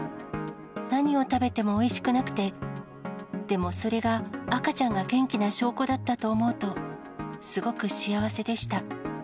何を食べてもおいしくなくて、でも、それが赤ちゃんが元気な証拠だったと思うと、すごく幸せでした。